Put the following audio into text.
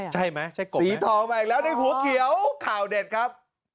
สีทองมาอีกแล้วในหัวเขียวข่าวเด็ดครับ